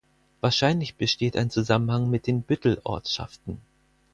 Wahrscheinlich besteht ein Zusammenhang mit den Büttel-Ortschaften.